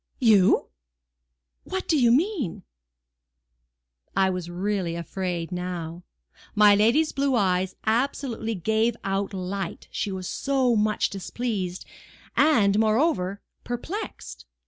"You! What do you mean?" I was really afraid now. My lady's blue eyes absolutely gave out light, she was so much displeased, and, moreover, perplexed.